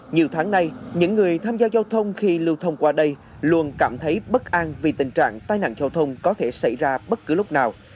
nhiều tháng nay những người tham gia giao thông khi lưu thông qua đây luôn cảm thấy bất an vì tình trạng tai nạn giao thông có thể xảy ra bất cứ lúc nào